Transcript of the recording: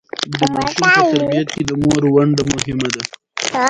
ازادي راډیو د د اوبو منابع په اړه د نېکمرغۍ کیسې بیان کړې.